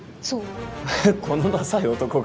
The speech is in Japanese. このださい男が？